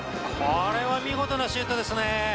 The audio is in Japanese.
これは見事なシュートですね。